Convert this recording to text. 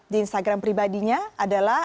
di instagram pribadinya adalah